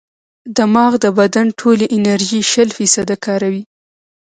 دماغ د بدن ټولې انرژي شل فیصده کاروي.